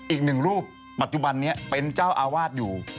อีกหนึ่งรูปปัจจุบันนี้เป็นเจ้าอาวาสอยู่